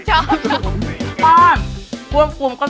ชอบ